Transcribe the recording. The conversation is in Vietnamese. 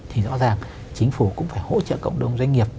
thì rõ ràng chính phủ cũng phải hỗ trợ cộng đồng doanh nghiệp